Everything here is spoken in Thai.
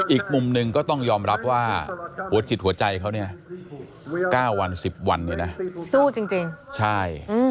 อีกมุมหนึ่งก็ต้องยอมรับว่าหัวจิตหัวใจเขา๙วัน๑๐วันสู้จริงใช่